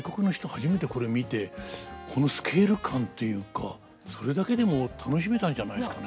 初めてこれ見てこのスケール感というかそれだけでも楽しめたんじゃないですかね。